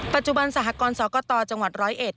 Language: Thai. ปัจจุบันสหกรสกตจังหวัดร้อยเอ็ด